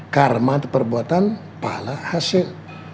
karma itu perbuatan pala hasil